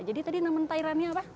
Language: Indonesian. jadi tadi namanya tariannya apa